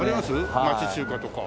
町中華とか。